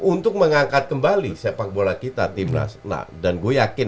untuk mengangkat kembali sepak bola kita timnas dan gue yakin